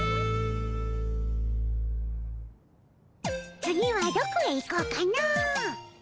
次はどこへ行こうかの。